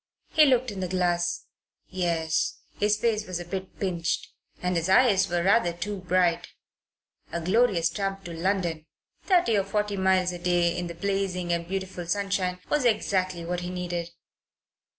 He looked in the glass. Yes, his face was a bit pinched and his eyes were rather too bright. A glorious tramp to London, thirty or forty miles a day in the blazing and beautiful sunshine, was exactly what he needed.